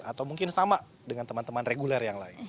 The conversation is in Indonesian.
atau mungkin sama dengan teman teman reguler yang lain